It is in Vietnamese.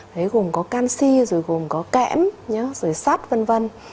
đấy gồm có canxi rồi gồm có kẽm nhé rồi sắt v v